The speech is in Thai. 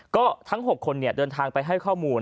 ก็ทั้ง๖คนเดินทางไปให้ข้อมูล